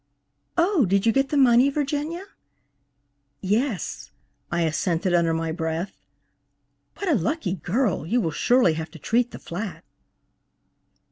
"Oh, did you get the money, Virginia?" "Yes," I assented, under my breath. "What a lucky girl! You will surely have to treat the flat."